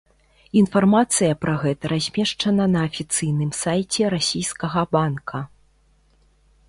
Інфармацыя пра гэта размешчана на афіцыйным сайце расійскага банка.